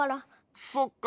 そっか。